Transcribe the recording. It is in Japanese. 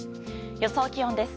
予想気温です。